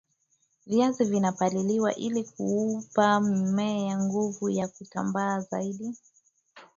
viazi vinapaliliwa ili kuupa mmea nguvu ya kutambaa vizuri